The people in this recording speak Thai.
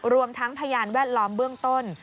รวมทั้งพยานแวดล้อมเบื้องต้น